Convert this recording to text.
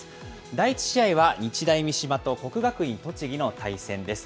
第１試合は、日大三島と国学院栃木の対戦です。